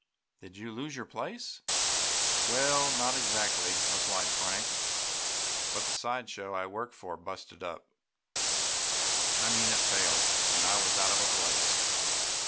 Did you lose your place?" "Well, no, not exactly," replied Frank, "but the side show I worked for busted up I mean it failed, and I was out of a place.